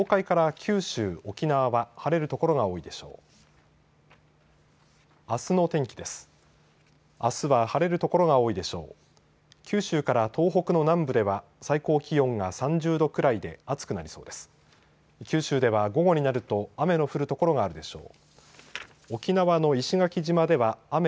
九州では午後になると雨の降る所があるでしょう。